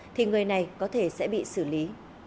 thì người này có thể sẽ bị xử lý